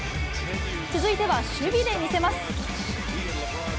続いては守備で見せます。